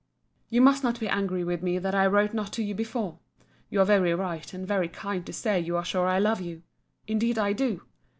You must not be angry with me that I wrote not to you before. You are very right and very kind to say you are sure I love you. Indeed I do.